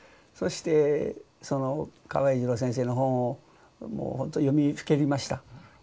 そしてその河合栄治郎先生の本をもうほんと読みふけりました。